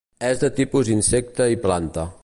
És de tipus insecte i planta.